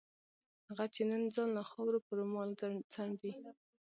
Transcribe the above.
هغه چې نن ځان له خاورو په رومال څنډي.